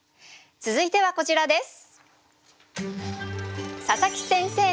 続いてはこちらです。